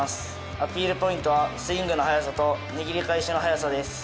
アピールポイントはスイングの速さと握りかえしの早さです。